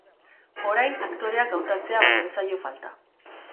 Orain aktoreak hautatzea baino ez zaio falta.